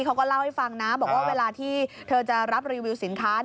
เขาก็เล่าให้ฟังนะบอกว่าเวลาที่เธอจะรับรีวิวสินค้า